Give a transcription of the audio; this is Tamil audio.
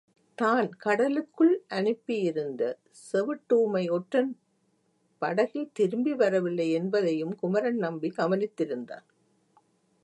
தான் கடலுக்குள் அனுப்பியிருந்த செவிட்டூமை ஒற்றன் படகில் திரும்பி வரவில்லை என்பதையும் குமரன் நம்பி கவனித்திருந்தான்.